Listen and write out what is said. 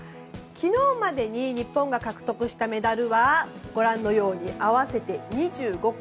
昨日までに日本が獲得したメダルはご覧のように合わせて２５個。